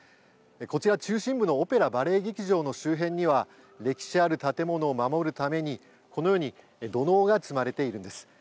こちら中心部のオペラ・バレエ劇場の周辺には歴史ある建物を守るためにこのように土のうが積まれているんです。